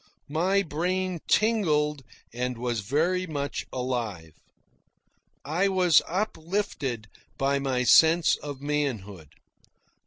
My brain tingled and was very much alive. I was uplifted by my sense of manhood.